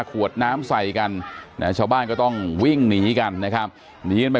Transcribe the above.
ขวดน้ำใส่กันนะชาวบ้านก็ต้องวิ่งหนีกันนะครับหนีกันไป